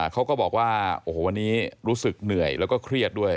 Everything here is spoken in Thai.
เขาก็บอกว่าโอ้โหวันนี้รู้สึกเหนื่อยแล้วก็เครียดด้วย